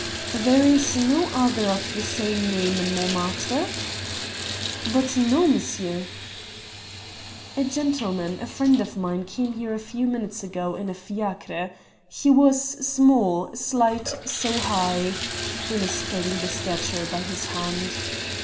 "There is no other of the same name in Montmartre?" "But no, monsieur." "A gentleman, a friend of mine, came here a few minutes ago in a fiacre. He was small, slight, so high" illustrating the stature by his hand.